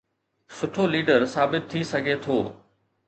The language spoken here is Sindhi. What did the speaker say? سٺو ليڊر ثابت ٿي سگهي ٿو؟